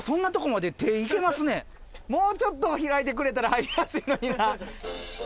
もうちょっと開いてくれたら入りやすいのにな。